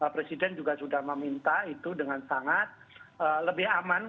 presiden juga sudah meminta itu dengan sangat lebih aman